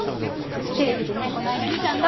テレビでねこないだ見たんだ。